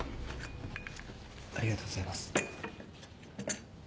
ありがとうございます。